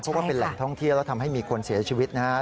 เพราะว่าเป็นแหล่งท่องเที่ยวแล้วทำให้มีคนเสียชีวิตนะครับ